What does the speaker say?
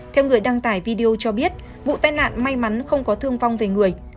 theo người đăng tải video cho biết vụ tai nạn may mắn không có thương vong về người